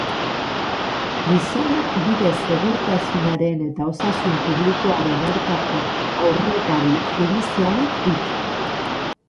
Gizonak bide segurtasunaren eta osasun publikoaren aurkako aurrekari judizialak ditu.